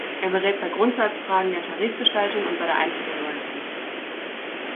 Er berät bei Grundsatzfragen der Tarifgestaltung und bei der Einführung neuer Tarife.